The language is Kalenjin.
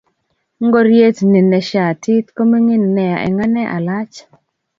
Ngoriet ni ne shatit ko mingin nea eng ane alach